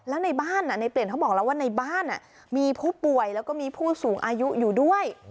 แล้วในบ้านในเปลี่ยนเขาบอกแล้วว่าในบ้านมีผู้ป่วยแล้วก็มีผู้สูงอายุอยู่ด้วย